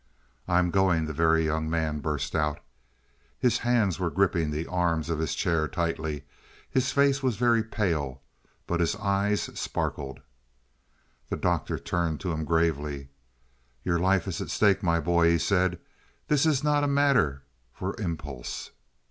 "I'm going," the Very Young Man burst out. His hands were gripping the arms of his chair tightly; his face was very pale, but his eyes sparkled. The Doctor turned to him gravely. "Your life is at stake, my boy," he said, "this is not a matter for impulse."